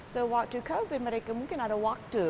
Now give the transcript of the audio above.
jadi waktu covid mereka mungkin ada waktu